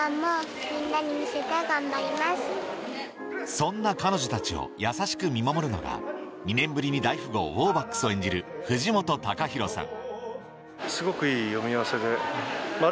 そんな彼女たちを優しく見守るのが２年ぶりに大富豪・ウォーバックスを演じる藤本隆宏さん